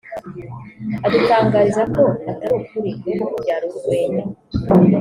adutangariza ko atari ukuri ahubwo ko byari urwenya